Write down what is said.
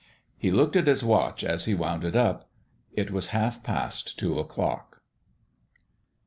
He looked at his watch as he wound it up. It was half past two o'clock.